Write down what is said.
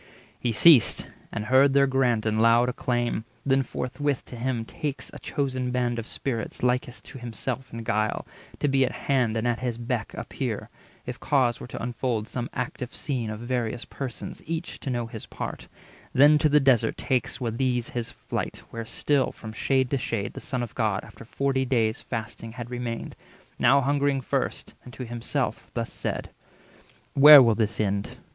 He ceased, and heard their grant in loud acclaim; Then forthwith to him takes a chosen band Of Spirits likest to himself in guile, To be at hand and at his beck appear, If cause were to unfold some active scene Of various persons, each to know his part; 240 Then to the desert takes with these his flight, Where still, from shade to shade, the Son of God, After forty days' fasting, had remained, Now hungering first, and to himself thus said:— "Where will this end?